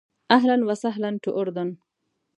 اهلاً و سهلاً ټو اردن.